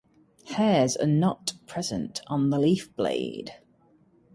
Hairs are not present on the leaf blade.